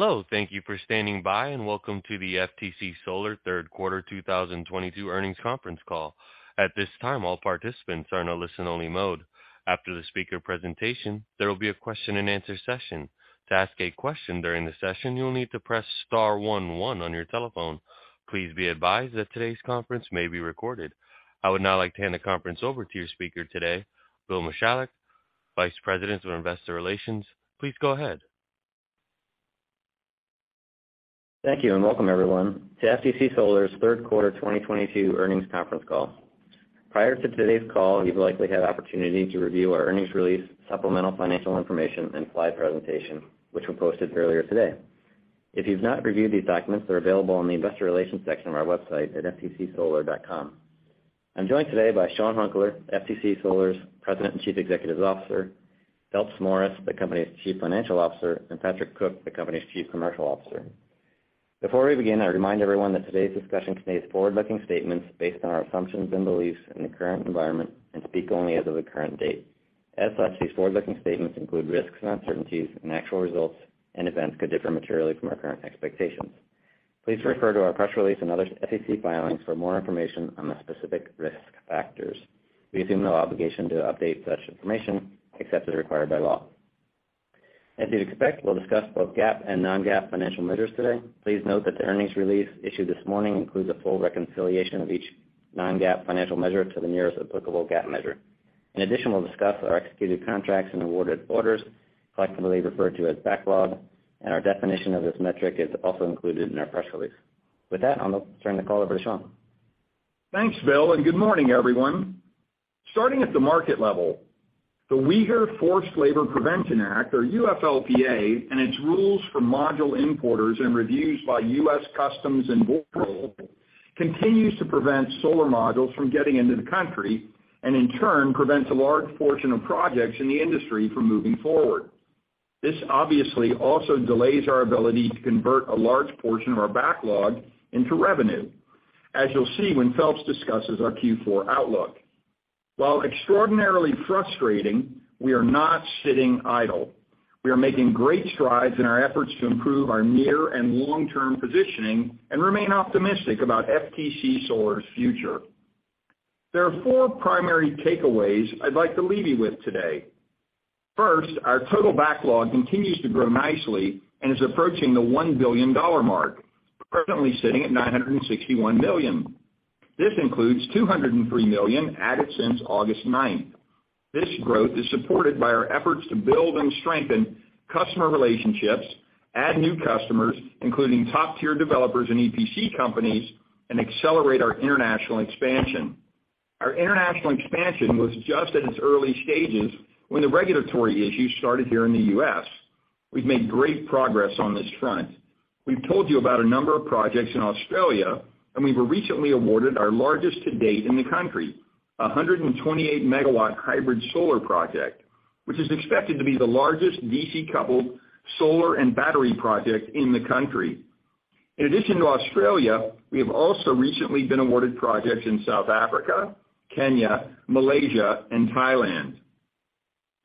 Hello, thank you for standing by, and welcome to the FTC Solar third quarter 2022 earnings conference call. At this time, all participants are in a listen-only mode. After the speaker presentation, there will be a question-and-answer session. To ask a question during the session, you will need to press star one one on your telephone. Please be advised that today's conference may be recorded. I would now like to hand the conference over to your speaker today, Bill Michalek, Vice President of Investor Relations. Please go ahead. Thank you, and welcome everyone to FTC Solar's third quarter 2022 earnings conference call. Prior to today's call, you've likely had opportunity to review our earnings release, supplemental financial information and slide presentation, which were posted earlier today. If you've not reviewed these documents, they're available on the investor relations section of our website at ftcsolar.com. I'm joined today by Sean Hunkler, FTC Solar's President and Chief Executive Officer, Phelps Morris, the company's Chief Financial Officer, and Patrick Cook, the company's Chief Commercial Officer. Before we begin, I remind everyone that today's discussion contains forward-looking statements based on our assumptions and beliefs in the current environment and speak only as of the current date. As such, these forward-looking statements include risks and uncertainties and actual results, and events could differ materially from our current expectations. Please refer to our press release and other SEC filings for more information on the specific risk factors. We assume no obligation to update such information except as required by law. As you'd expect, we'll discuss both GAAP and non-GAAP financial measures today. Please note that the earnings release issued this morning includes a full reconciliation of each non-GAAP financial measure to the nearest applicable GAAP measure. In addition, we'll discuss our executed contracts and awarded orders, collectively referred to as backlog, and our definition of this metric is also included in our press release. With that, I'll now turn the call over to Sean. Thanks, Bill, and good morning, everyone. Starting at the market level, the Uyghur Forced Labor Prevention Act, or UFLPA, and its rules for module importers and reviews by U.S. Customs and Border Protection, continues to prevent solar modules from getting into the country and in turn prevents a large portion of projects in the industry from moving forward. This obviously also delays our ability to convert a large portion of our backlog into revenue, as you'll see when Phelps discusses our Q4 outlook. While extraordinarily frustrating, we are not sitting idle. We are making great strides in our efforts to improve our near and long-term positioning and remain optimistic about FTC Solar's future. There are four primary takeaways I'd like to leave you with today. First, our total backlog continues to grow nicely and is approaching the $1 billion mark, currently sitting at $961 million. This includes $203 million added since August 9th. This growth is supported by our efforts to build and strengthen customer relationships, add new customers, including top-tier developers and EPC companies, and accelerate our international expansion. Our international expansion was just at its early stages when the regulatory issues started here in the U.S. We've made great progress on this front. We've told you about a number of projects in Australia, and we were recently awarded our largest to-date in the country, a 128 MW hybrid solar project, which is expected to be the largest DC-coupled solar and battery project in the country. In addition to Australia, we have also recently been awarded projects in South Africa, Kenya, Malaysia and Thailand.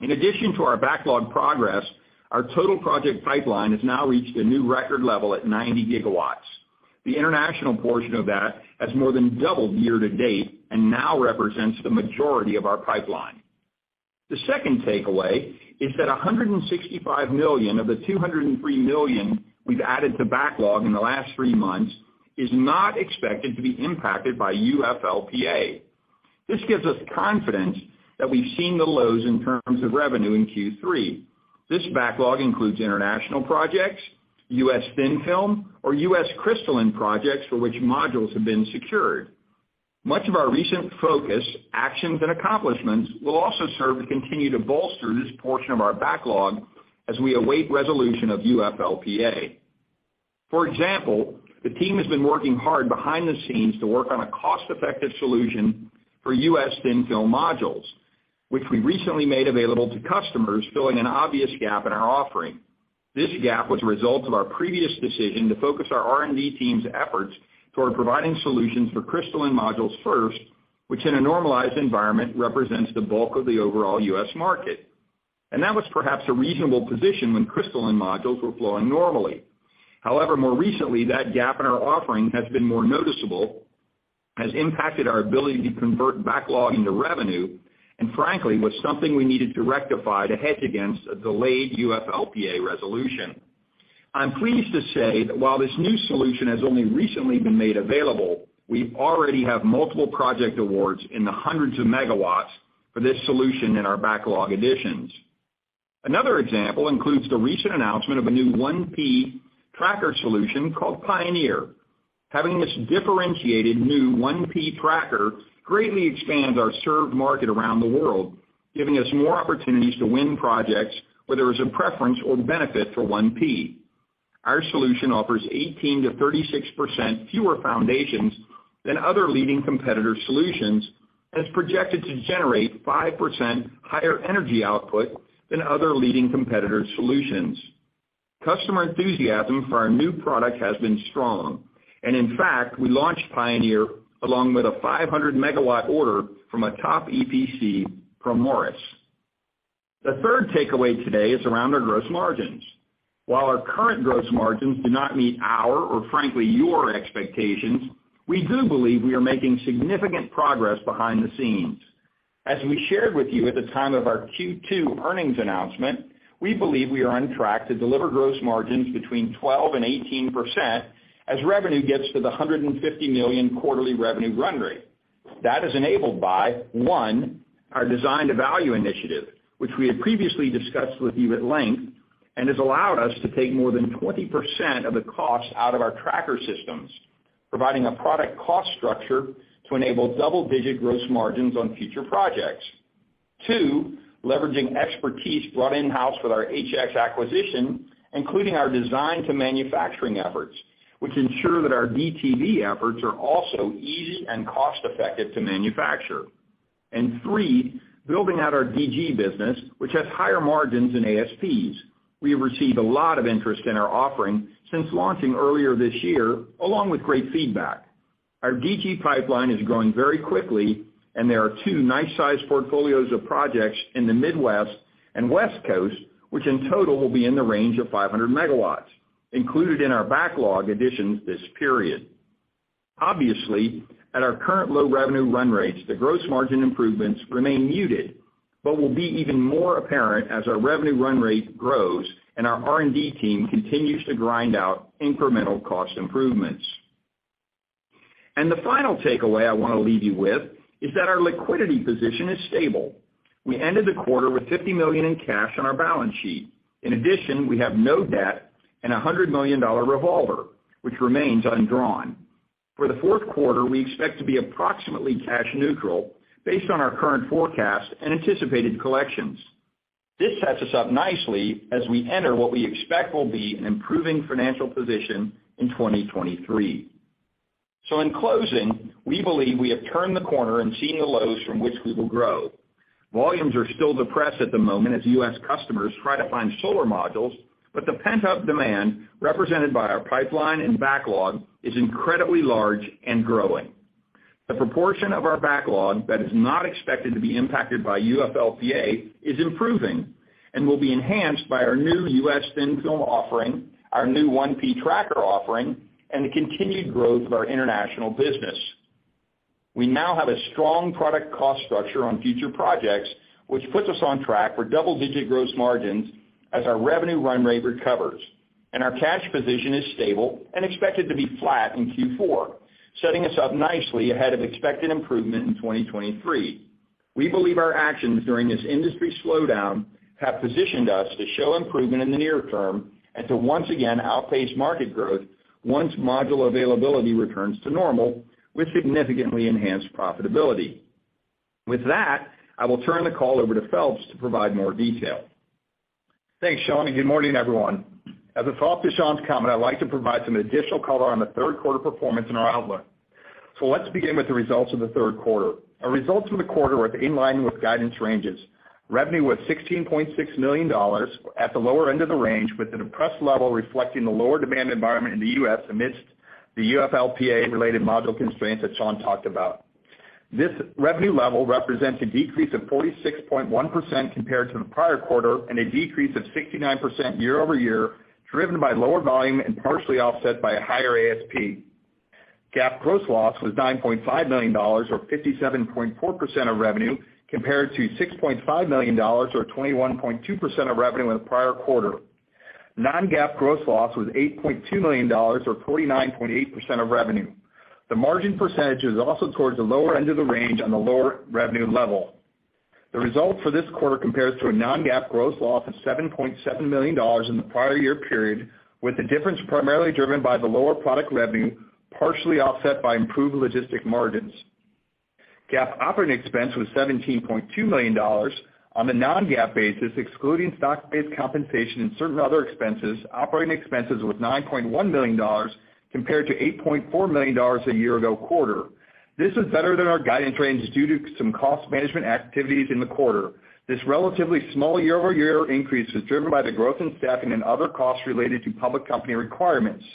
In addition to our backlog progress, our total project pipeline has now reached a new record level at 90 GW. The international portion of that has more than doubled year to date and now represents the majority of our pipeline. The second takeaway is that $165 million of the $203 million we've added to backlog in the last three months is not expected to be impacted by UFLPA. This gives us confidence that we've seen the lows in terms of revenue in Q3. This backlog includes international projects, U.S. thin-film or U.S. crystalline projects for which modules have been secured. Much of our recent focus, actions and accomplishments will also serve to continue to bolster this portion of our backlog as we await resolution of UFLPA. For example, the team has been working hard behind the scenes to work on a cost-effective solution for U.S. thin-film modules, which we recently made available to customers, filling an obvious gap in our offering. This gap was a result of our previous decision to focus our R&D team's efforts toward providing solutions for crystalline modules first, which in a normalized environment represents the bulk of the overall U.S. market. That was perhaps a reasonable position when crystalline modules were flowing normally. However, more recently, that gap in our offering has been more noticeable, has impacted our ability to convert backlog into revenue, and frankly, was something we needed to rectify to hedge against a delayed UFLPA resolution. I'm pleased to say that while this new solution has only recently been made available, we already have multiple project awards in the hundreds of megawatts for this solution in our backlog additions. Another example includes the recent announcement of a new 1P tracker solution called Pioneer. Having this differentiated new 1P tracker greatly expands our served market around the world, giving us more opportunities to win projects where there is a preference or benefit for 1P. Our solution offers 18%-36% fewer foundations than other leading competitor solutions and is projected to generate 5% higher energy output than other leading competitor solutions. Customer enthusiasm for our new product has been strong, and in fact, we launched Pioneer along with a 500 MW order from a top EPC, Primoris. The third takeaway today is around our gross margins. While our current gross margins do not meet our or frankly, your expectations, we do believe we are making significant progress behind the scenes. As we shared with you at the time of our Q2 earnings announcement, we believe we are on track to deliver gross margins between 12% and 18% as revenue gets to the $150 million quarterly revenue run rate. That is enabled by, one, our design-to-value initiative, which we had previously discussed with you at length and has allowed us to take more than 20% of the cost out of our tracker systems, providing a product cost structure to enable double-digit gross margins on future projects. Two, leveraging expertise brought in-house with our HX acquisition, including our design to manufacturing efforts, which ensure that our DTV efforts are also easy and cost-effective to manufacture. And three, building out our DG business, which has higher margins and ASPs. We have received a lot of interest in our offering since launching earlier this year, along with great feedback. Our DG pipeline is growing very quickly, and there are two nice-sized portfolios of projects in the Midwest and West Coast, which in total will be in the range of 500 MW, included in our backlog additions this period. Obviously, at our current low revenue run rates, the gross margin improvements remain muted, but will be even more apparent as our revenue run rate grows and our R&D team continues to grind out incremental cost improvements. The final takeaway I want to leave you with is that our liquidity position is stable. We ended the quarter with $50 million in cash on our balance sheet. In addition, we have no debt and a $100 million revolver, which remains undrawn. For the fourth quarter, we expect to be approximately cash neutral based on our current forecast and anticipated collections. This sets us up nicely as we enter what we expect will be an improving financial position in 2023. In closing, we believe we have turned the corner and seen the lows from which we will grow. Volumes are still depressed at the moment as U.S. customers try to find solar modules, but the pent-up demand represented by our pipeline and backlog is incredibly large and growing. The proportion of our backlog that is not expected to be impacted by UFLPA is improving and will be enhanced by our new U.S. thin-film offering, our new 1P tracker offering, and the continued growth of our international business. We now have a strong product cost structure on future projects, which puts us on track for double-digit gross margins as our revenue run rate recovers, and our cash position is stable and expected to be flat in Q4, setting us up nicely ahead of expected improvement in 2023. We believe our actions during this industry slowdown have positioned us to show improvement in the near term and to once again outpace market growth once module availability returns to normal, with significantly enhanced profitability. With that, I will turn the call over to Phelps to provide more detail. Thanks, Sean, and good morning, everyone. As a follow-up to Sean's comment, I'd like to provide some additional color on the third quarter performance and our outlook. Let's begin with the results of the third quarter. Our results for the quarter were in line with guidance ranges. Revenue was $16.6 million at the lower end of the range, with the depressed level reflecting the lower demand environment in the U.S. amidst the UFLPA-related module constraints that Sean talked about. This revenue level represents a decrease of 46.1% compared to the prior quarter, and a decrease of 69% year-over-year, driven by lower volume and partially offset by a higher ASP. GAAP gross loss was $9.5 million or 57.4% of revenue, compared to $6.5 million or 21.2% of revenue in the prior quarter. Non-GAAP gross loss was $8.2 million or 49.8% of revenue. The margin percentage is also towards the lower end of the range on the lower revenue level. The result for this quarter compares to a non-GAAP gross loss of $7.7 million in the prior year period, with the difference primarily driven by the lower product revenue, partially offset by improved logistic margins. GAAP operating expense was $17.2 million. On a non-GAAP basis, excluding stock-based compensation and certain other expenses, operating expenses was $9.1 million compared to $8.4 million a year ago quarter. This is better than our guidance ranges due to some cost management activities in the quarter. This relatively small year-over-year increase was driven by the growth in staffing and other costs related to public company requirements.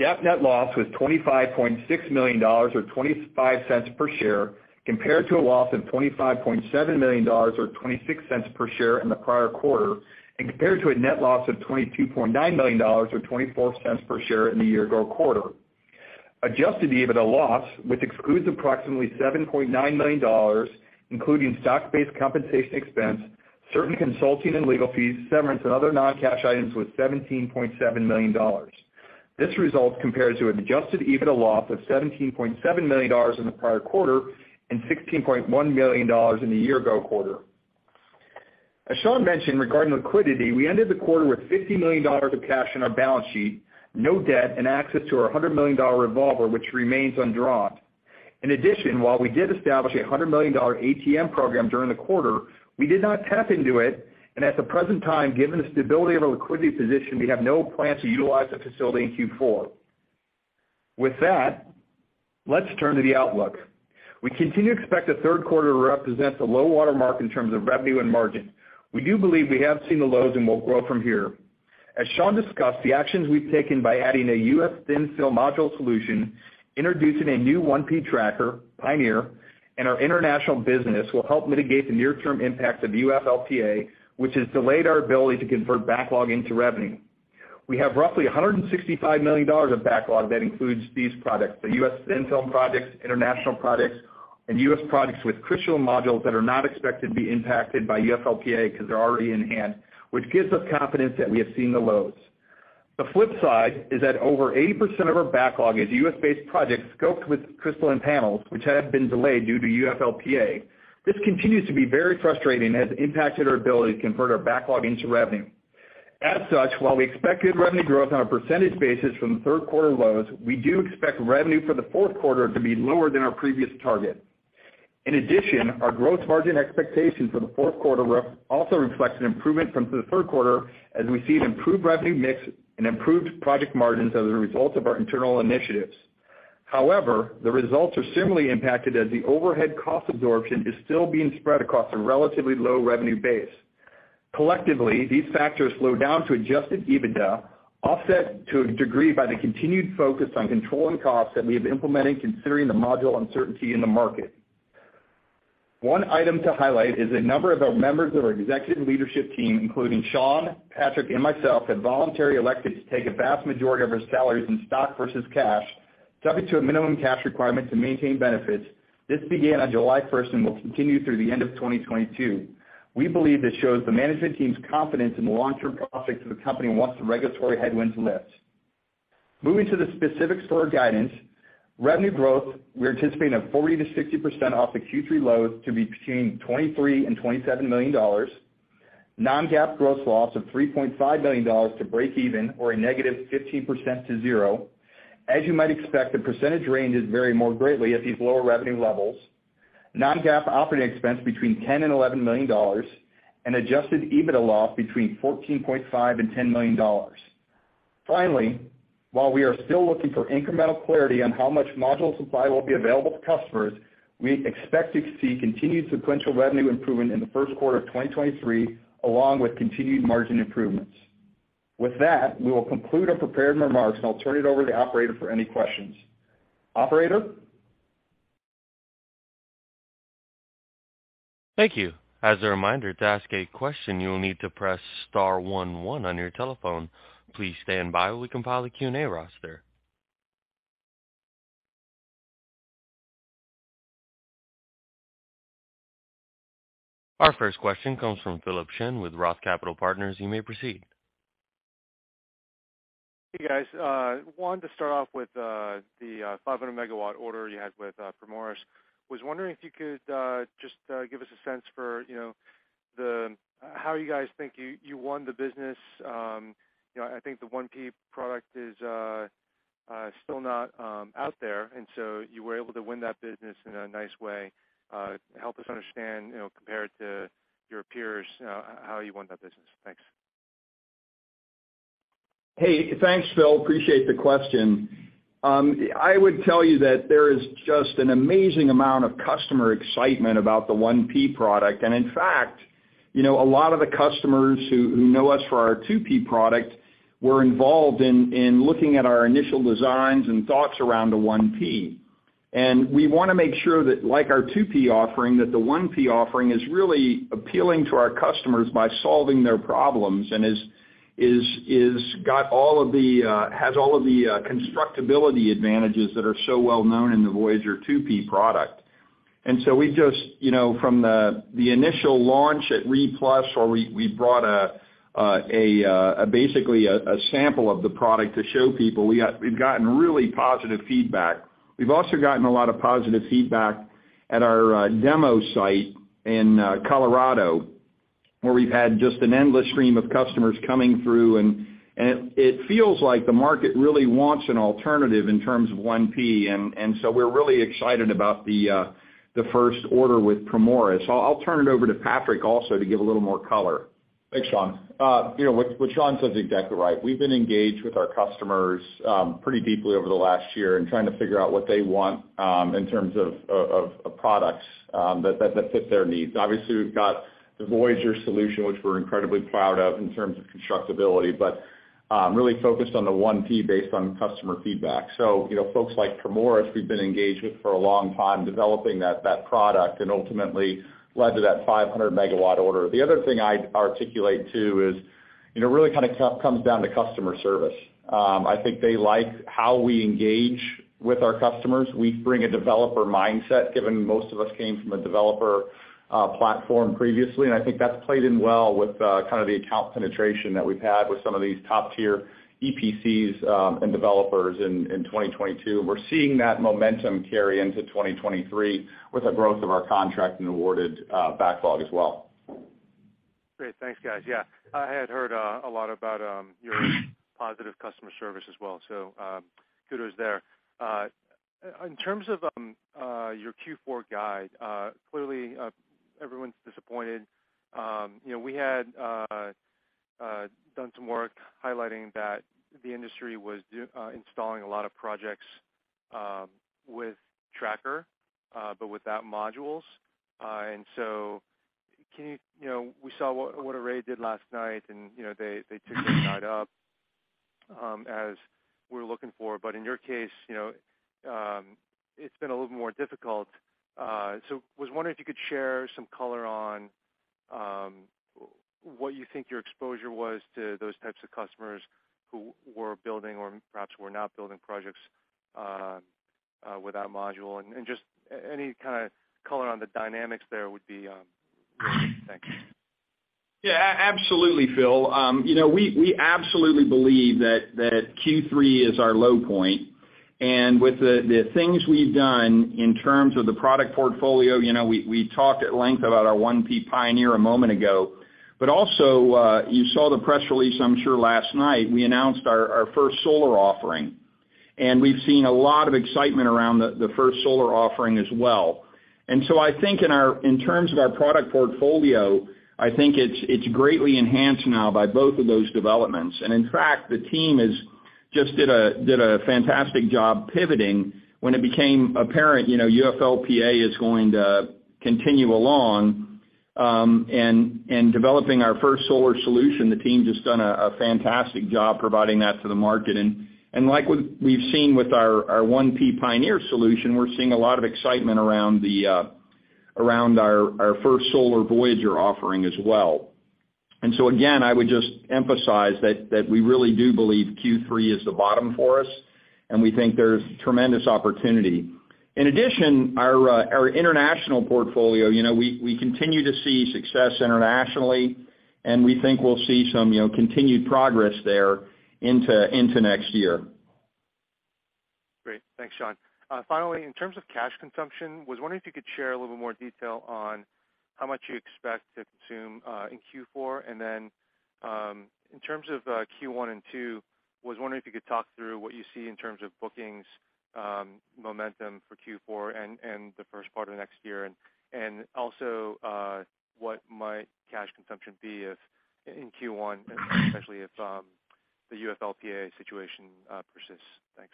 GAAP net loss was $25.6 million or $0.25 per share, compared to a loss of $25.7 million or $0.26 per share in the prior quarter, and compared to a net loss of $22.9 million or $0.24 per share in the year ago quarter. Adjusted EBITDA loss, which excludes approximately $7.9 million, including stock-based compensation expense, certain consulting and legal fees, severance and other non-cash items was $17.7 million. This result compares to an adjusted EBITDA loss of $17.7 million in the prior quarter and $16.1 million in the year ago quarter. As Sean mentioned regarding liquidity, we ended the quarter with $50 million of cash on our balance sheet, no debt, and access to our $100 million revolver, which remains undrawn. In addition, while we did establish a $100 million ATM program during the quarter, we did not tap into it, and at the present time, given the stability of our liquidity position, we have no plans to utilize the facility in Q4. With that, let's turn to the outlook. We continue to expect the third quarter to represent the low water mark in terms of revenue and margin. We do believe we have seen the lows and will grow from here. As Sean discussed, the actions we've taken by adding a U.S. thin-film module solution, introducing a new 1P tracker, Pioneer, and our international business will help mitigate the near-term impacts of UFLPA, which has delayed our ability to convert backlog into revenue. We have roughly $165 million of backlog that includes these products, the U.S. thin-film projects, international projects, and U.S. projects with crystalline modules that are not expected to be impacted by UFLPA because they're already in hand, which gives us confidence that we have seen the lows. The flip side is that over 80% of our backlog is U.S.-based projects scoped with crystalline panels, which have been delayed due to UFLPA. This continues to be very frustrating and has impacted our ability to convert our backlog into revenue. As such, while we expect good revenue growth on a percentage basis from the third quarter lows, we do expect revenue for the fourth quarter to be lower than our previous target. In addition, our growth margin expectations for the fourth quarter also reflects an improvement from the third quarter as we see an improved revenue mix and improved project margins as a result of our internal initiatives. However, the results are similarly impacted as the overhead cost absorption is still being spread across a relatively low revenue base. Collectively, these factors slow down to adjusted EBITDA, offset to a degree by the continued focus on controlling costs that we have implemented considering the module uncertainty in the market. One item to highlight is a number of our members of our executive leadership team, including Sean, Patrick, and myself, have voluntarily elected to take a vast majority of our salaries in stock versus cash, subject to a minimum cash requirement to maintain benefits. This began on July first and will continue through the end of 2022. We believe this shows the management team's confidence in the long-term prospects of the company once the regulatory headwinds lift. Moving to the specifics for our guidance. Revenue growth, we're anticipating a 40%-60% off the Q3 lows to be between $23 million and $27 million. Non-GAAP gross loss of $3.5 million to breakeven or a -15%-0% As you might expect, the percentage range does vary more greatly at these lower revenue levels. Non-GAAP operating expense between $10 million and $11 million. Adjusted EBITDA loss between $14.5 million and $10 million. Finally, while we are still looking for incremental clarity on how much module supply will be available to customers, we expect to see continued sequential revenue improvement in the first quarter of 2023, along with continued margin improvements. With that, we will conclude our prepared remarks, and I'll turn it over to the operator for any questions. Operator? Thank you. As a reminder, to ask a question, you will need to press star one one on your telephone. Please stand by while we compile a Q&A roster. Our first question comes from Philip Shen with Roth Capital Partners. You may proceed. Hey, guys. Wanted to start off with the 500 MW order you had with Primoris. Was wondering if you could just give us a sense for, you know, how you guys think you won the business. You know, I think the 1P product is still not out there, and so you were able to win that business in a nice way. Help us understand, you know, compared to your peers how you won that business. Thanks. Hey, thanks, Phil. Appreciate the question. I would tell you that there is just an amazing amount of customer excitement about the 1P product. In fact, you know, a lot of the customers who know us for our 2P product were involved in looking at our initial designs and thoughts around the 1P. We wanna make sure that like our 2P offering, that the 1P offering is really appealing to our customers by solving their problems and has all of the constructability advantages that are so well known in the Voyager 2P product. We just, you know, from the initial launch at RE+, where we brought a basically a sample of the product to show people, we've gotten really positive feedback. We've also gotten a lot of positive feedback at our demo site in Colorado, where we've had just an endless stream of customers coming through, and it feels like the market really wants an alternative in terms of 1P. We're really excited about the first order with Primoris. I'll turn it over to Patrick also to give a little more color. Thanks, Sean. You know, what Sean says is exactly right. We've been engaged with our customers pretty deeply over the last year and trying to figure out what they want in terms of products that fit their needs. Obviously, we've got the Voyager solution, which we're incredibly proud of in terms of constructability, but really focused on the 1P based on customer feedback. You know, folks like Primoris, we've been engaged with for a long time, developing that product and ultimately led to that 500 MW order. The other thing I'd articulate, too, is, you know, it really kind of comes down to customer service. I think they like how we engage with our customers. We bring a developer mindset, given most of us came from a developer platform previously. I think that's played in well with kind of the account penetration that we've had with some of these top-tier EPCs and developers in 2022. We're seeing that momentum carry into 2023 with the growth of our contract and awarded backlog as well. Great. Thanks, guys. Yeah, I had heard a lot about your positive customer service as well, so kudos there. In terms of your Q4 guide, clearly everyone's disappointed. You know, we had done some work highlighting that the industry was installing a lot of projects with trackers, but without modules. You know, we saw what Array did last night and, you know, they took their guidance up, as we're looking for. In your case, you know, it's been a little more difficult. I was wondering if you could share some color on what you think your exposure was to those types of customers who were building or perhaps were not building projects without module and just any kind of color on the dynamics there would be really great. Thanks. Yeah, absolutely, Phil. You know, we absolutely believe that Q3 is our low point. With the things we've done in terms of the product portfolio, you know, we talked at length about our 1P Pioneer a moment ago, but also, you saw the press release, I'm sure last night, we announced our First Solar offering. We've seen a lot of excitement around the First Solar offering as well. I think in our, in terms of our product portfolio, I think it's greatly enhanced now by both of those developments. In fact, the team has just did a fantastic job pivoting when it became apparent, you know, UFLPA is going to continue along, and developing our First Solar solution. The team's just done a fantastic job providing that to the market. Like what we've seen with our 1P Pioneer solution, we're seeing a lot of excitement around our First Solar Voyager offering as well. Again, I would just emphasize that we really do believe Q3 is the bottom for us, and we think there's tremendous opportunity. In addition, our international portfolio, you know, we continue to see success internationally and we think we'll see some, you know, continued progress there into next year. Great. Thanks, Sean. Finally, in terms of cash consumption, was wondering if you could share a little more detail on how much you expect to consume in Q4. In terms of Q1 and Q2, was wondering if you could talk through what you see in terms of bookings momentum for Q4 and the first part of next year and also what might cash consumption be if in Q1, especially if the UFLPA situation persists. Thanks.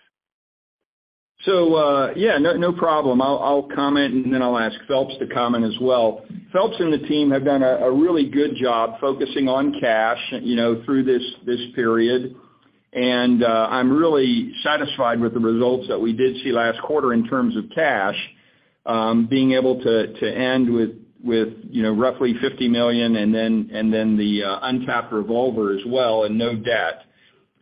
Yeah, no problem. I'll comment and then I'll ask Phelps to comment as well. Phelps and the team have done a really good job focusing on cash, you know, through this period. I'm really satisfied with the results that we did see last quarter in terms of cash, being able to end with you know roughly $50 million and then the untapped revolver as well and no debt.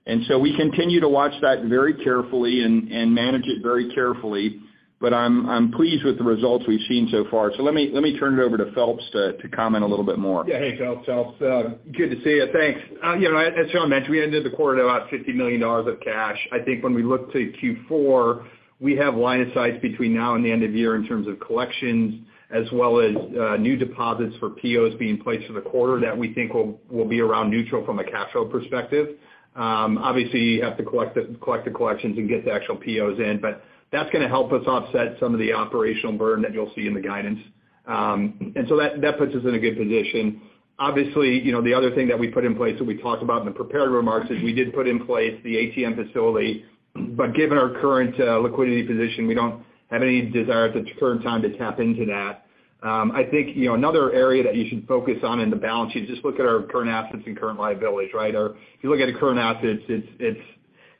We continue to watch that very carefully and manage it very carefully, but I'm pleased with the results we've seen so far. Let me turn it over to Phelps to comment a little bit more. Yeah. Hey, Phil. Phelps. Good to see you. Thanks. You know, as Sean mentioned, we ended the quarter at about $50 million of cash. I think when we look to Q4, we have line of sight between now and the end of the year in terms of collections as well as new deposits for POs being placed in the quarter that we think will be around neutral from a cash flow perspective. Obviously, you have to collect the collections and get the actual POs in, but that's gonna help us offset some of the operational burden that you'll see in the guidance. That puts us in a good position. Obviously, you know, the other thing that we put in place that we talked about in the prepared remarks is we did put in place the ATM facility. Given our current liquidity position, we don't have any desire at the current time to tap into that. I think, you know, another area that you should focus on in the balance sheet, just look at our current assets and current liabilities, right? If you look at the current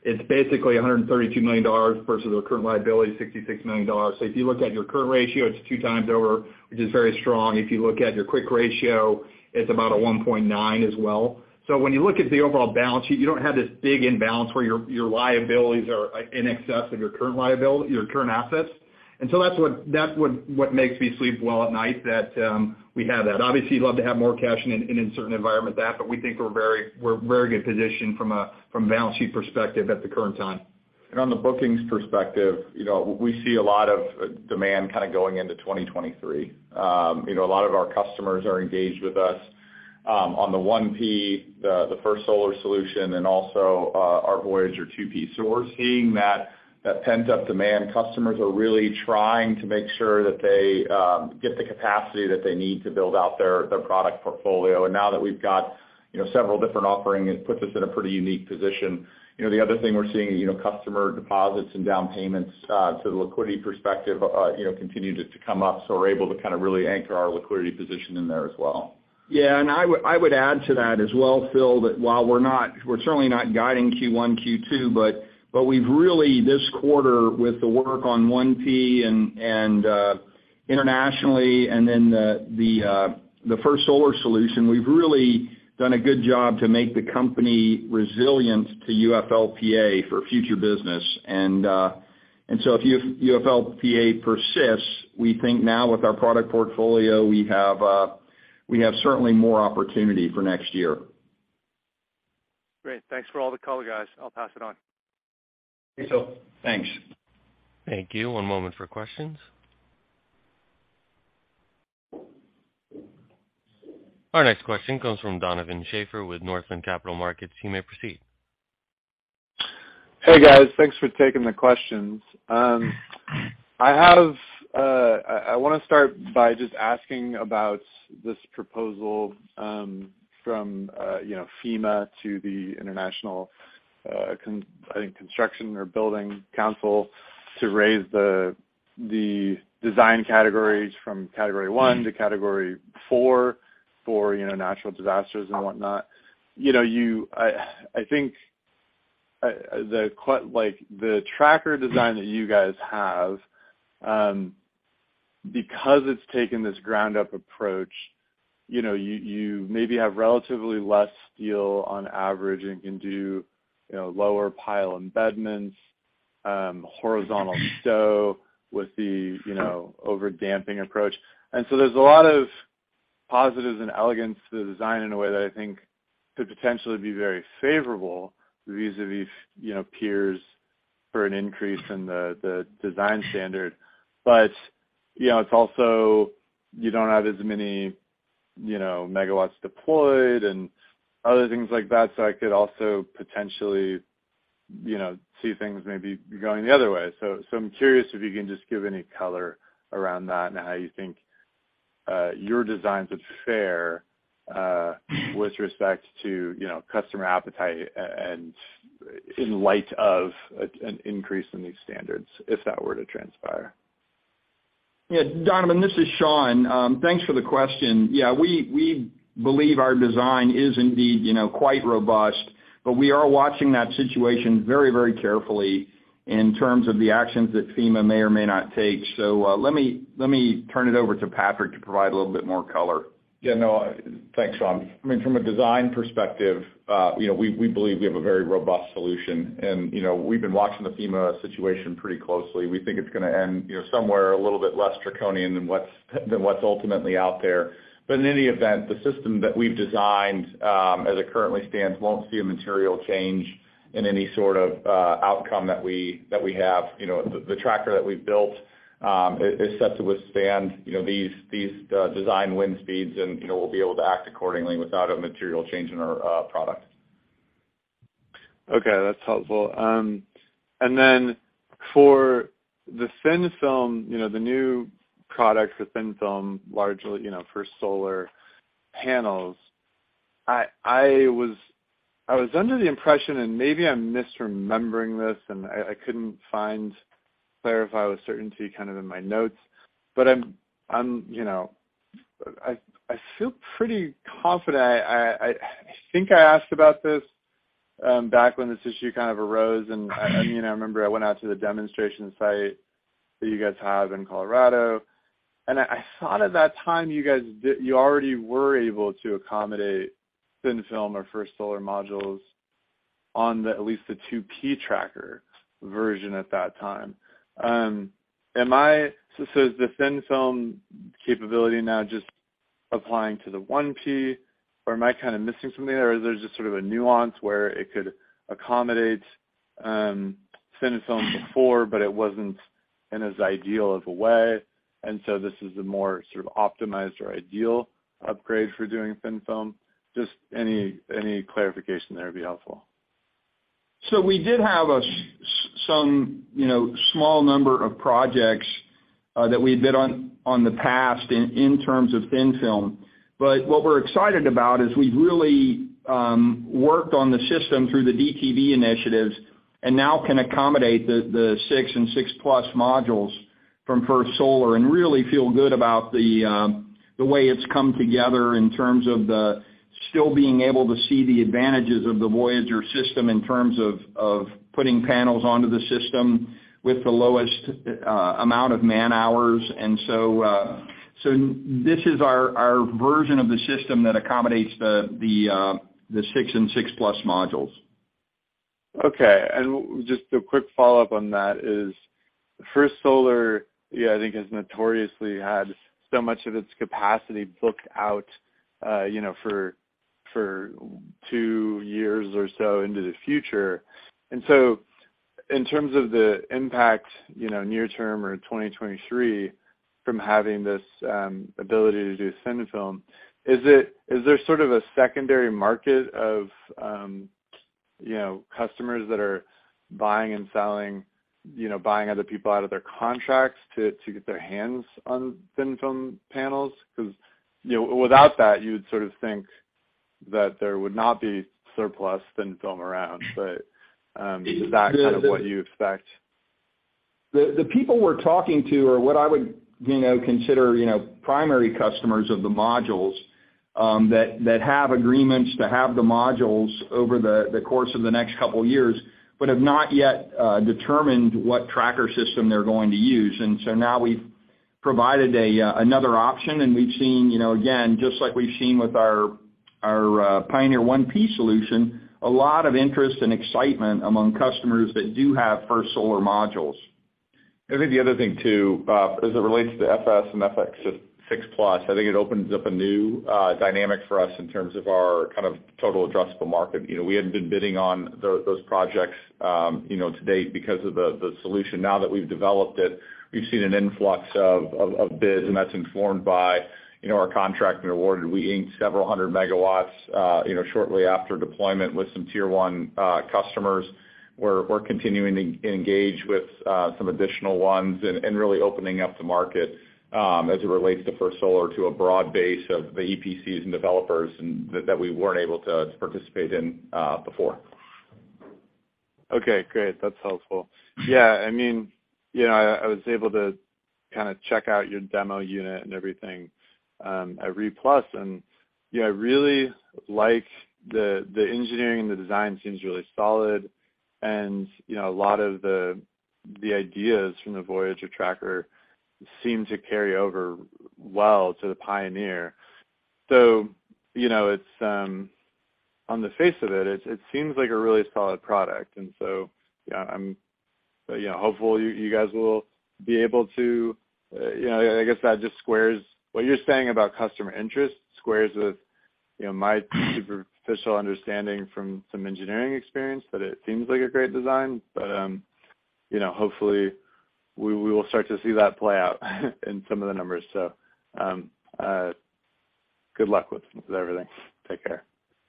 assets, it's basically $132 million versus our current liability, $66 million. So if you look at your current ratio, it's 2x over, which is very strong. If you look at your quick ratio, it's about a 1.9x as well. So when you look at the overall balance sheet, you don't have this big imbalance where your liabilities are, like, in excess of your current assets. That's what makes me sleep well at night, that we have that. Obviously, you'd love to have more cash in a certain environment, but we think we're very good position from a balance sheet perspective at the current time. On the bookings perspective, you know, we see a lot of demand kind of going into 2023. You know, a lot of our customers are engaged with us on the 1P, the First Solar solution, and also our Voyager 2P. We're seeing that pent-up demand. Customers are really trying to make sure that they get the capacity that they need to build out their product portfolio. Now that we've got, you know, several different offerings, it puts us in a pretty unique position. You know, the other thing we're seeing, you know, customer deposits and down payments to the liquidity perspective, you know, continue to come up, so we're able to kind of really anchor our liquidity position in there as well. Yeah. I would add to that as well, Phil, that while we're certainly not guiding Q1, Q2, but we've really this quarter with the work on 1P and internationally and then the First Solar solution, we've really done a good job to make the company resilient to UFLPA for future business. So if UFLPA persists, we think now with our product portfolio, we have certainly more opportunity for next year. Great. Thanks for all the color, guys. I'll pass it on. Thanks, Philip. Thanks. Thank you. One moment for questions. Our next question comes from Donovan Schafer with Northland Capital Markets. You may proceed. Hey, guys. Thanks for taking the questions. I wanna start by just asking about this proposal from, you know, FEMA to the international, I think construction or building council to raise the design categories from Category 1 to Category 4 for, you know, natural disasters and whatnot. You know, I think like the tracker design that you guys have because it's taken this ground-up approach, you know, you maybe have relatively less steel on average and can do, you know, lower pile embedments, horizontal stow with the, you know, over-damping approach. There's a lot of positives and elegance to the design in a way that I think could potentially be very favorable vis-à-vis, you know, peers for an increase in the design standard. You know, it's also you don't have as many, you know, megawatts deployed and other things like that. So I could also potentially, you know, see things maybe going the other way. So I'm curious if you can just give any color around that and how you think your designs would fare with respect to, you know, customer appetite and in light of an increase in these standards, if that were to transpire. Yeah, Donovan, this is Sean. Thanks for the question. Yeah, we believe our design is indeed, you know, quite robust, but we are watching that situation very, very carefully in terms of the actions that FEMA may or may not take. Let me turn it over to Patrick to provide a little bit more color. Yeah, no. Thanks, Sean. I mean, from a design perspective, you know, we believe we have a very robust solution. You know, we've been watching the FEMA situation pretty closely. We think it's gonna end, you know, somewhere a little bit less draconian than what's ultimately out there. In any event, the system that we've designed, as it currently stands, won't see a material change in any sort of outcome that we have. You know, the tracker that we've built is set to withstand, you know, these design wind speeds, and you know, we'll be able to act accordingly without a material change in our product. Okay, that's helpful. Then for the thin-film, you know, the new product for thin-film largely, you know, for solar panels, I was under the impression, and maybe I'm misremembering this, and I couldn't clarify with certainty kind of in my notes, but I'm, you know. I think I asked about this back when this issue kind of arose. I mean, I remember I went out to the demonstration site that you guys have in Colorado. I thought at that time you already were able to accommodate thin-film or First Solar modules on the, at least the 2P tracker version at that time. So, is the thin-film capability now just applying to the 1P, or am I kind of missing something there? Is there just sort of a nuance where it could accommodate thin-film before, but it wasn't in as ideal of a way, and so this is a more sort of optimized or ideal upgrade for doing thin-film? Just any clarification there would be helpful. We did have a some, you know, small number of projects that we bid on in the past in terms of thin-film. But what we're excited about is we've really worked on the system through the DTV initiatives and now can accommodate the 6 and 6 Plus modules from First Solar and really feel good about the way it's come together in terms of still being able to see the advantages of the Voyager system in terms of putting panels onto the system with the lowest amount of man-hours. This is our version of the system that accommodates the 6 and 6 Plus modules. Okay. Just a quick follow-up on that is First Solar. Yeah, I think has notoriously had so much of its capacity booked out, you know, for two years or so into the future. In terms of the impact, you know, near term or 2023 from having this ability to do thin-film, is there sort of a secondary market of, you know, customers that are buying and selling, you know, buying other people out of their contracts to get their hands on thin-film panels? 'Cause, you know, without that, you'd sort of think that there would not be surplus thin-film around. Is that kind of what you expect? The people we're talking to are what I would, you know, consider, you know, primary customers of the modules that have agreements to have the modules over the course of the next couple years but have not yet determined what tracker system they're going to use. Now we've provided another option, and we've seen, you know, again, just like we've seen with our Pioneer 1P solution, a lot of interest and excitement among customers that do have First Solar modules. I think the other thing too, as it relates to First Solar and Series 6 Plus, I think it opens up a new dynamic for us in terms of our kind of total addressable market. You know, we hadn't been bidding on those projects, you know, to date because of the solution. Now that we've developed it, we've seen an influx of bids, and that's informed by our contracted and awarded. We inked several hundred megawatts, you know, shortly after deployment with some Tier 1 customers. We're continuing to engage with some additional ones and really opening up the market, as it relates to First Solar to a broad base of the EPCs and developers and that we weren't able to participate in before. Okay, great. That's helpful. Yeah, I mean, you know, I was able to kinda check out your demo unit and everything at RE+ and, yeah, really like the engineering and the design seems really solid, and, you know, a lot of the ideas from the Voyager tracker seem to carry over well to the Pioneer. You know, it's on the face of it seems like a really solid product. Yeah, I'm, you know, hopeful you guys will be able to, you know. I guess that just squares what you're saying about customer interest, squares with, you know, my superficial understanding from some engineering experience, but it seems like a great design. You know, hopefully we will start to see that play out in some of the numbers. Good luck with everything. Take care.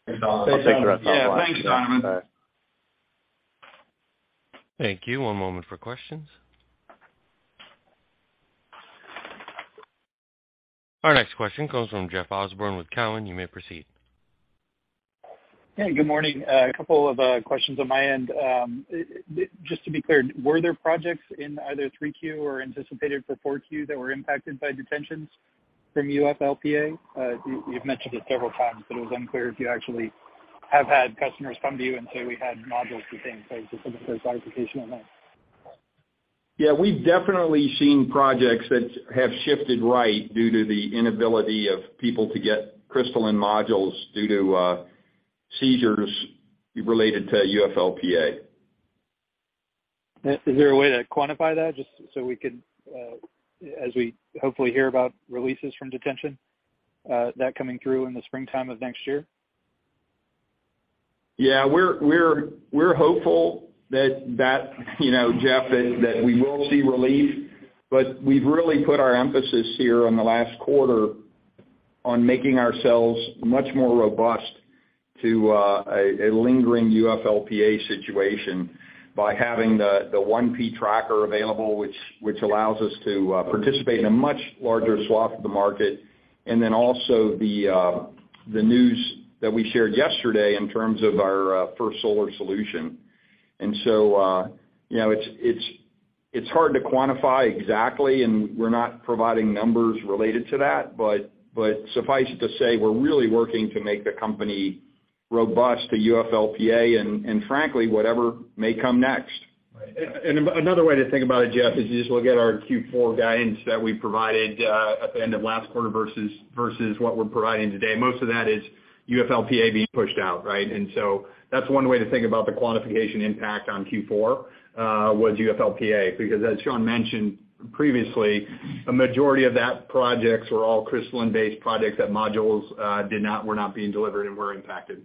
Thanks, Donovan. Take care. Yeah. Thanks, Donovan. Bye. Thank you. One moment for questions. Our next question comes from Jeff Osborne with TD Cowen. You may proceed. Hey, good morning. A couple of questions on my end. Just to be clear, were there projects in either 3Q or anticipated for 4Q that were impacted by detentions from UFLPA? You, you've mentioned it several times, but it was unclear if you actually have had customers come to you and say, "We had modules detained," so I was just looking for a clarification on that. Yeah, we've definitely seen projects that have shifted right due to the inability of people to get crystalline modules due to seizures related to UFLPA. Is there a way to quantify that just so we could, as we hopefully hear about releases from detention, that coming through in the springtime of next year? Yeah. We're hopeful that, you know, Jeff, that we will see relief, but we've really put our emphasis here on the last quarter on making ourselves much more robust to a lingering UFLPA situation by having the 1P tracker available, which allows us to participate in a much larger swath of the market. Also the news that we shared yesterday in terms of our First Solar solution. You know, it's hard to quantify exactly, and we're not providing numbers related to that. Suffice it to say, we're really working to make the company robust to UFLPA and frankly, whatever may come next. Another way to think about it, Jeff, is you just look at our Q4 guidance that we provided at the end of last quarter versus what we're providing today. Most of that is UFLPA being pushed out, right? That's one way to think about the quantification impact on Q4 was UFLPA. Because as Sean mentioned previously, a majority of that projects were all crystalline-based projects that modules were not being delivered and were impacted.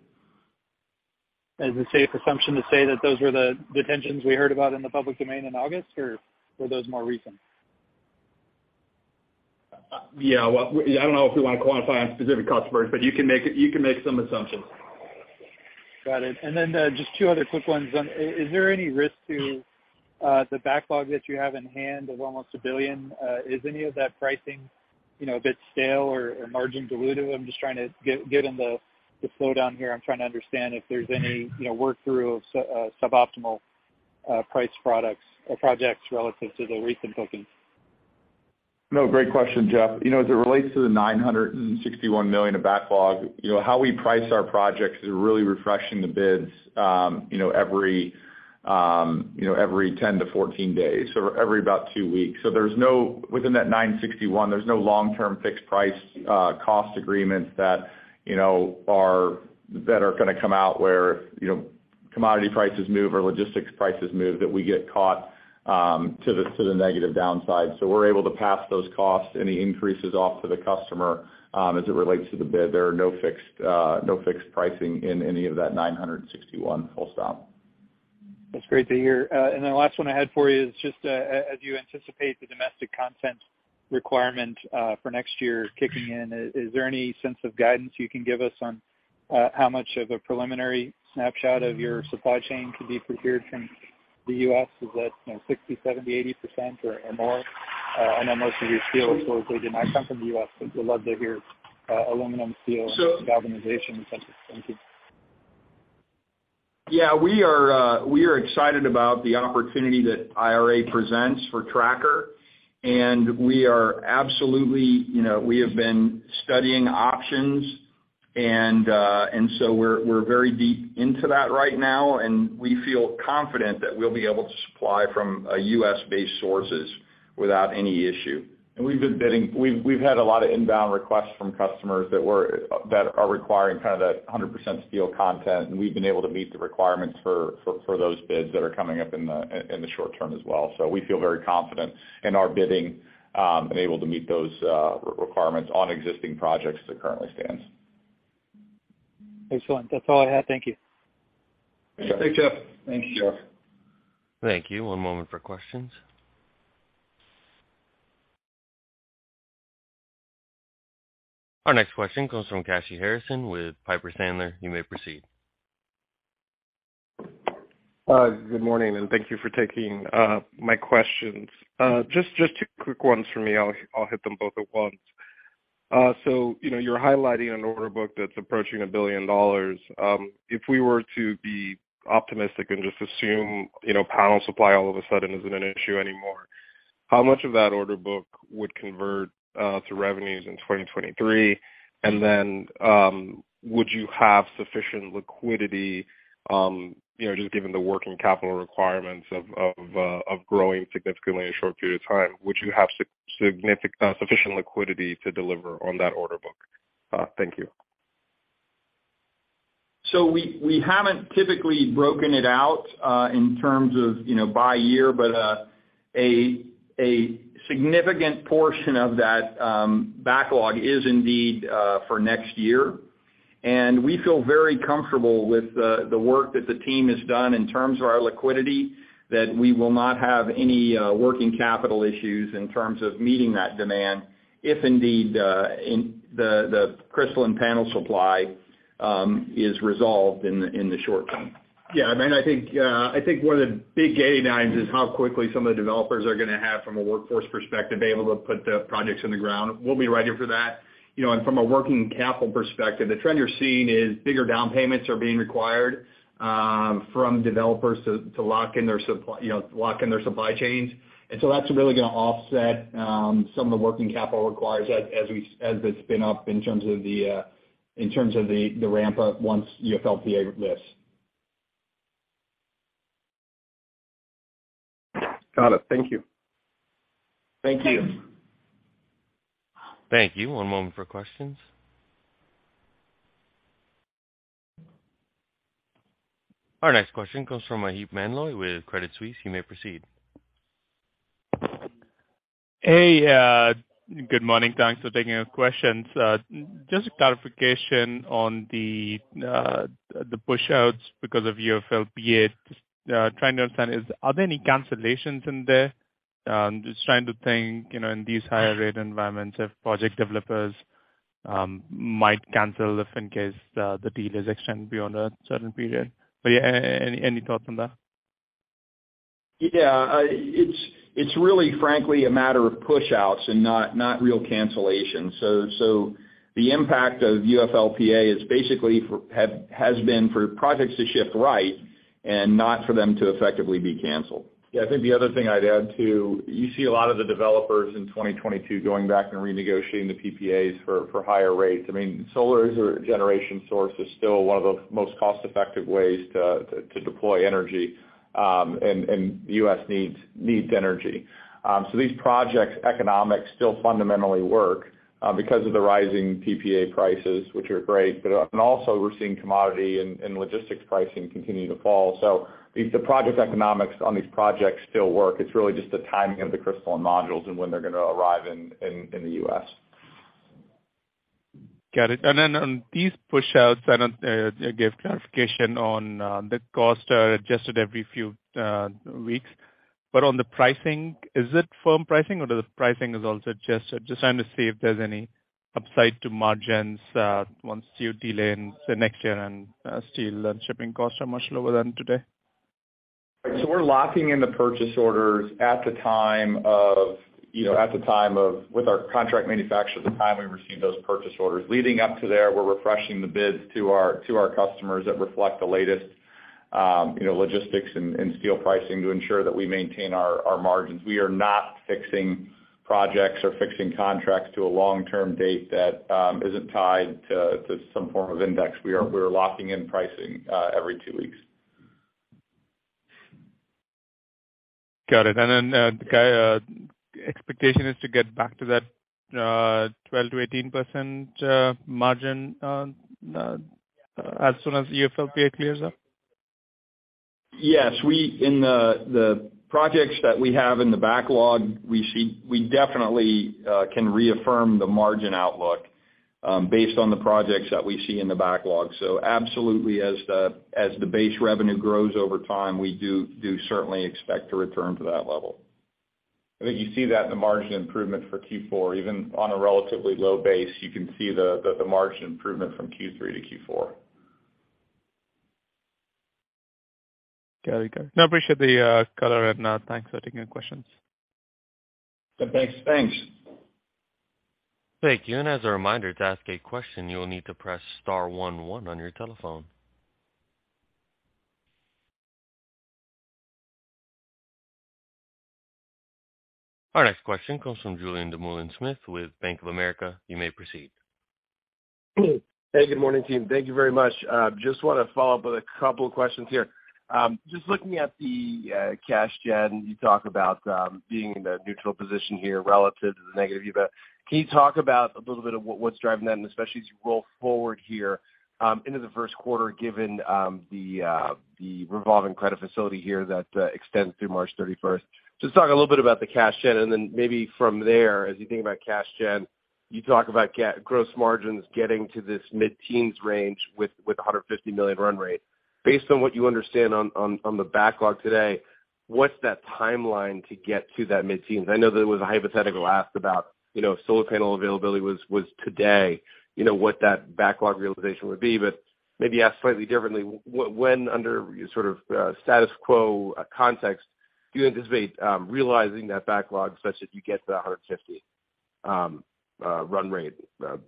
Is it a safe assumption to say that those were the detentions we heard about in the public domain in August, or were those more recent? Yeah. Well, I don't know if we wanna quantify on specific customers, but you can make some assumptions. Got it. Just two other quick ones. Is there any risk to the backlog that you have in hand of almost $1 billion? Is any of that pricing, you know, a bit stale or margin dilutive? I'm just trying to get, given the slowdown here, I'm trying to understand if there's any, you know, work through of suboptimal priced products or projects relative to the recent bookings. No, great question, Jeff. You know, as it relates to the $961 million of backlog, you know, how we price our projects is really refreshing the bids, you know, every 10-14 days or about every two weeks. Within that $961 million, there's no long-term fixed price cost agreements that you know that are gonna come out where, if you know, commodity prices move or logistics prices move, that we get caught to the negative downside. We're able to pass those costs, any increases off to the customer, as it relates to the bid. There are no fixed pricing in any of that $961 million. Full stop. That's great to hear. And then last one I had for you is just, as you anticipate the domestic content requirement for next year kicking in, is there any sense of guidance you can give us on how much of a preliminary snapshot of your supply chain could be procured from the U.S.? Is that, you know, 60%, 70%`, 80% or more? I know most of your steel is locally, and I come from the U.S., so we'd love to hear aluminum, steel, and galvanization in such. Thank you. Yeah. We are excited about the opportunity that IRA presents for Tracker, and we are absolutely. You know, we have been studying options and so we're very deep into that right now, and we feel confident that we'll be able to supply from U.S.-based sources without any issue. We've had a lot of inbound requests from customers that are requiring kind of that 100% steel content, and we've been able to meet the requirements for those bids that are coming up in the short term as well. We feel very confident in our bidding and able to meet those requirements on existing projects as it currently stands. Excellent. That's all I had. Thank you. Thanks, Jeff. Thank you, Jeff. Thank you. One moment for questions. Our next question comes from Kashy Harrison with Piper Sandler. You may proceed. Good morning, and thank you for taking my questions. Just two quick ones for me. I'll hit them both at once. You know, you're highlighting an order book that's approaching $1 billion. If we were to be optimistic and just assume, you know, panel supply all of a sudden isn't an issue anymore, how much of that order book would convert to revenues in 2023? Would you have sufficient liquidity, you know, just given the working capital requirements of growing significantly in a short period of time, would you have sufficient liquidity to deliver on that order book? Thank you. We haven't typically broken it out in terms of, you know, by year. A significant portion of that backlog is indeed for next year. We feel very comfortable with the work that the team has done in terms of our liquidity, that we will not have any working capital issues in terms of meeting that demand if indeed the crystalline panel supply is resolved in the short term. Yeah. I think one of the big gating items is how quickly some of the developers are gonna have from a workforce perspective, be able to put the projects in the ground. We'll be ready for that. You know, from a working capital perspective, the trend you're seeing is bigger down payments are being required from developers to lock in their supply chains. That's really gonna offset some of the working capital requirements as we spin up in terms of the ramp up once UFLPA lifts. Got it. Thank you. Thank you. Thank you. One moment for questions. Our next question comes from Maheep Mandloi with Credit Suisse. You may proceed. Hey, good morning. Thanks for taking our questions. Just a clarification on the pushouts because of UFLPA. Just trying to understand, are there any cancellations in there? Just trying to think, you know, in these higher rate environments, if project developers might cancel if in case the deal is extended beyond a certain period. Yeah, any thoughts on that? It's really frankly a matter of pushouts and not real cancellations. The impact of UFLPA is basically has been for projects to shift right and not for them to effectively be canceled. Yeah. I think the other thing I'd add too, you see a lot of the developers in 2022 going back and renegotiating the PPAs for higher rates. I mean, solar as a generation source is still one of the most cost-effective ways to deploy energy, and the U.S. needs energy. So these projects' economics still fundamentally work, because of the rising PPA prices, which are great, but and also we're seeing commodity and logistics pricing continue to fall. So the project economics on these projects still work. It's really just the timing of the crystalline modules and when they're gonna arrive in the U.S. Got it. Then on these pushouts, I don't give clarification on the costs are adjusted every few weeks. On the pricing, is it firm pricing or the pricing is also adjusted? Just trying to see if there's any upside to margins once you delay into next year and steel and shipping costs are much lower than today. We're locking in the purchase orders with our contract manufacturer, the time we receive those purchase orders. Leading up to there, we're refreshing the bids to our customers that reflect the latest logistics and steel pricing to ensure that we maintain our margins. We are not fixing projects or fixing contracts to a long-term date that isn't tied to some form of index. We are locking in pricing every two weeks. Got it. The expectation is to get back to that 12%-18% as soon as UFLPA clears up? Yes. In the projects that we have in the backlog, we definitely can reaffirm the margin outlook, based on the projects that we see in the backlog. Absolutely as the base revenue grows over time, we do certainly expect to return to that level. I think you see that in the margin improvement for Q4. Even on a relatively low base, you can see the margin improvement from Q3 to Q4. Got it. No, appreciate the color, and thanks for taking the questions. Yeah, thanks. Thanks. Thank you. As a reminder, to ask a question, you will need to press star one one on your telephone. Our next question comes from Julien Dumoulin-Smith with Bank of America. You may proceed. Hey, good morning, team. Thank you very much. Just wanna follow up with a couple of questions here. Just looking at the cash gen, you talk about being in a neutral position here relative to the negative event. Can you talk about a little bit of what's driving that in especially as you roll forward here into the first quarter given the revolving credit facility here that extends through March 31st? Just talk a little bit about the cash gen, and then maybe from there, as you think about cash gen, you talk about gross margins getting to this mid-teens range with a $150 million run rate. Based on what you understand on the backlog today, what's that timeline to get to that mid-teens? I know that it was a hypothetical ask about, you know, if solar panel availability was today, you know, what that backlog realization would be. Maybe asked slightly differently, when under sort of status quo context. Do you anticipate realizing that backlog such that you get to the 150 run rate, if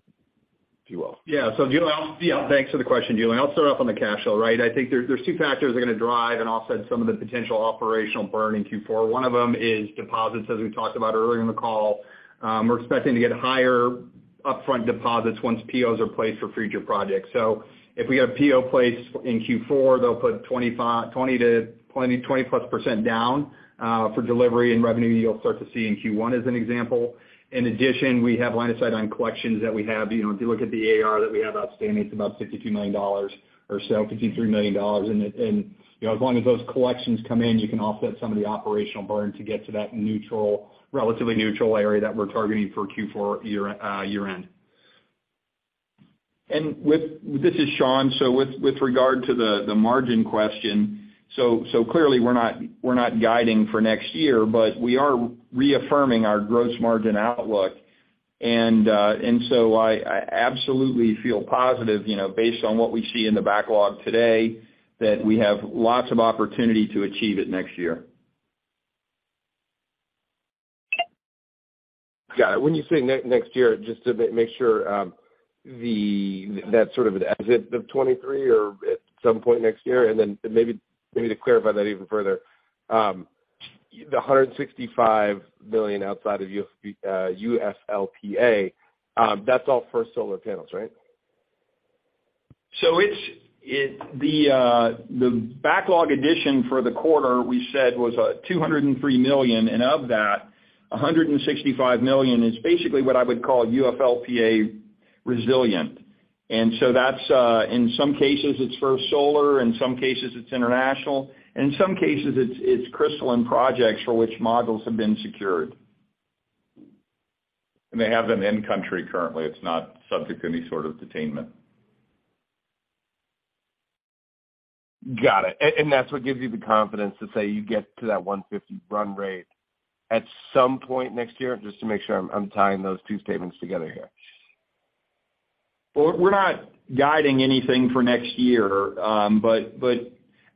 you will? Yeah. Julien, yeah, thanks for the question, Julien. I'll start off on the cash flow, right? I think there's two factors that are gonna drive and offset some of the potential operational burn in Q4. One of them is deposits, as we talked about earlier in the call. We're expecting to get higher upfront deposits once POs are placed for future projects. If we have a PO placed in Q4, they'll put 20%-20+% down for delivery and revenue you'll start to see in Q1, as an example. In addition, we have line of sight on collections that we have. You know, if you look at the AR that we have outstanding, it's about $62 million or so, $63 million. You know, as long as those collections come in, you can offset some of the operational burn to get to that neutral, relatively neutral area that we're targeting for Q4 year-end. With regard to the margin question, so clearly we're not guiding for next year, but we are reaffirming our gross margin outlook. I absolutely feel positive, you know, based on what we see in the backlog today, that we have lots of opportunity to achieve it next year. Got it. When you say next year, just to make sure, that's sort of at exit of 2023 or at some point next year? Maybe to clarify that even further, the $165 million outside of UFLPA, that's all for solar panels, right? The backlog addition for the quarter we said was $203 million, and of that, $165 million is basically what I would call UFLPA resilient. That's in some cases, it's for solar, in some cases it's international, and in some cases it's crystalline projects for which modules have been secured. They have them in country currently. It's not subject to any sort of detainment. Got it. And that's what gives you the confidence to say you get to that $150 run rate at some point next year, just to make sure I'm tying those two statements together here. We're not guiding anything for next year.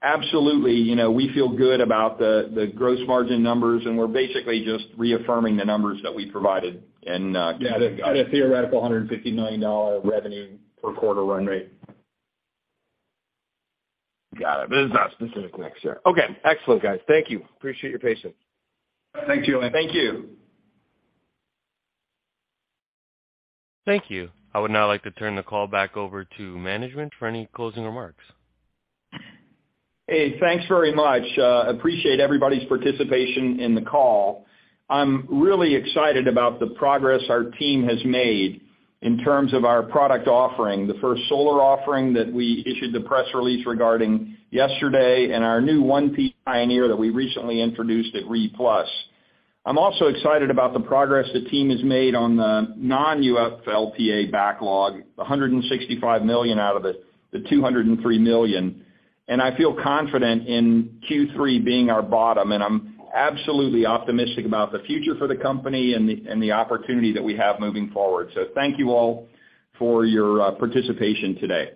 Absolutely, you know, we feel good about the gross margin numbers, and we're basically just reaffirming the numbers that we provided in Q3. Yeah, at a theoretical $150 million revenue per quarter run rate. Got it. It's not specific next year. Okay. Excellent, guys. Thank you. Appreciate your patience. Thanks, Julien. Thank you. Thank you. I would now like to turn the call back over to management for any closing remarks. Hey, thanks very much. Appreciate everybody's participation in the call. I'm really excited about the progress our team has made in terms of our product offering, the First Solar offering that we issued the press release regarding yesterday and our new 1P Pioneer that we recently introduced at RE+. I'm also excited about the progress the team has made on the non-UFLPA backlog, the $165 million out of the $203 million. I feel confident in Q3 being our bottom, and I'm absolutely optimistic about the future for the company and the opportunity that we have moving forward. Thank you all for your participation today.